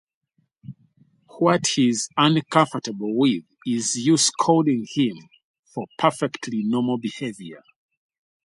What he's uncomfortable with is you scolding him for perfectly normal behavior.